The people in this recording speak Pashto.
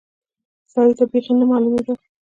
سړي ته بيخي نه معلومېدل.